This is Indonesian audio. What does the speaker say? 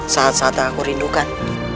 saat saat aku rindukan